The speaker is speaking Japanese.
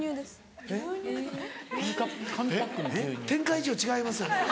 展開上違いますよね？